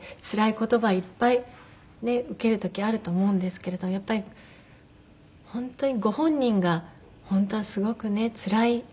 つらい言葉いっぱい受ける時あると思うんですけれどやっぱり本当にご本人が本当はすごくねつらい。